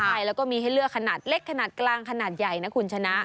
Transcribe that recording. ใช่แล้วก็มีให้เลือกขนาดเล็กขนาดกลางขนาดใหญ่นะคุณชนะ